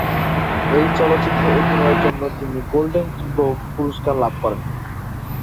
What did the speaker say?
এই চলচ্চিত্রে অভিনয়ের জন্য তিনি গোল্ডেন গ্লোব পুরস্কার লাভ করেন।